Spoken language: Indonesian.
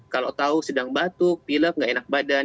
kalau tahu sedang batuk pilek nggak enak badan